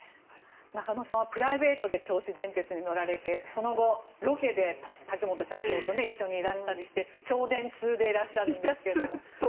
中野さんはプライベートで銚子電鉄に乗られてその後、ロケで竹本社長と一緒にいらしたりして銚電通でいらっしゃるんですが。